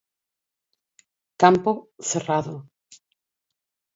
Campo cerrado.